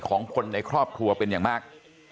ของคนในครอบครัวเป็นอย่างมาก